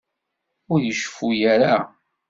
Ur iceffu ara.